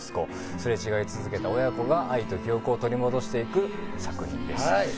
すれ違い続けた親子が愛と記憶を取り戻していく作品です。